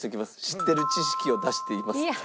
「知ってる知識を出しています」って。